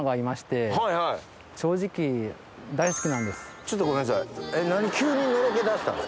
ちょっとごめんなさいえっ何。